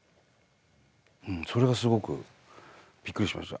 それがすごくびっくりしました。